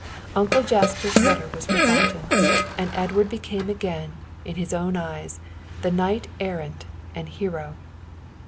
Uncle Jasper's letter was forgotten and Edward became again, in his own eyes, the knight errant and hero.